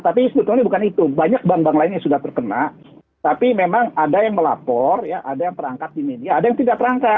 tapi sebetulnya bukan itu banyak bank bank lain yang sudah terkena tapi memang ada yang melapor ada yang perangkat di media ada yang tidak perangkat